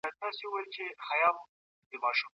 په ټولنه کي د مسلکي ښځو نشتوالی د ټولنیز پرمختګ مخه نیسي